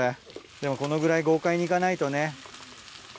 でもこのぐらい豪快に行かないとね。